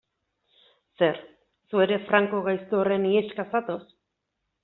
Zer, zu ere Franco gaizto horren iheska zatoz?